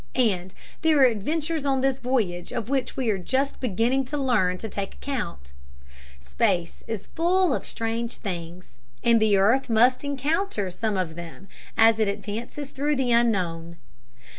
And there are adventures on this voyage of which we are just beginning to learn to take account. Space is full of strange things, and the earth must encounter some of them as it advances through the unknown.